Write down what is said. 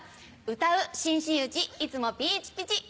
歌う新真打ちいつもピチピチ。